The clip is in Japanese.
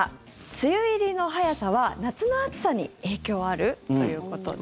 梅雨入りの早さは夏の暑さに影響ある？ということです。